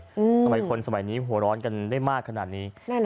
ทำไมคนสมัยนี้หัวร้อนกันได้มากขนาดนี้